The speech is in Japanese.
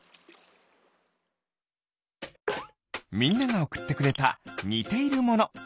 みんながおくってくれたにているもの